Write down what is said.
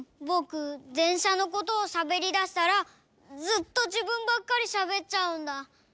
ぼくでんしゃのことをしゃべりだしたらずっとじぶんばっかりしゃべっちゃうんだ。